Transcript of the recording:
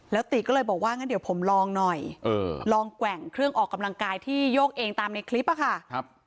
ติก็เลยบอกว่างั้นเดี๋ยวผมลองหน่อยลองแกว่งเครื่องออกกำลังกายที่โยกเองตามในคลิปอะค่ะ